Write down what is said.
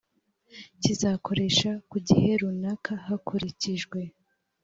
kizakoresha ku gihe runaka hakurikijwe